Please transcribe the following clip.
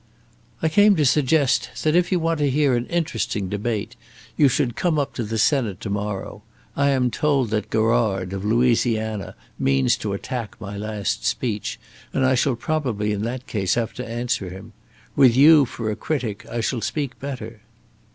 "I came to suggest that, if you want to hear an interesting debate, you should come up to the Senate to morrow. I am told that Garrard, of Louisiana, means to attack my last speech, and I shall probably in that case have to answer him. With you for a critic I shall speak better."